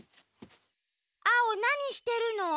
アオなにしてるの？